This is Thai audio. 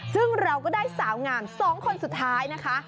ซึ่งเราก็ได้สาวงาม๒คนสุดท้ายนะคะ